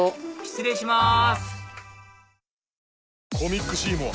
失礼します